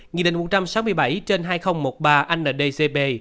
nghị định một trăm sáu mươi bảy trên hai nghìn một mươi ba ndcp